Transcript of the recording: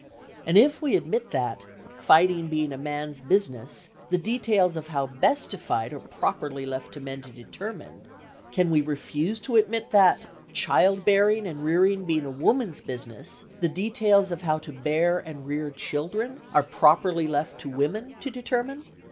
And if we admit that, fighting being a man's business, the details of how best to fight are properly left to men to determine, can we refuse to admit that, child bearing and rearing being a woman's business, the details of how to bear and rear children are properly left to women to determine?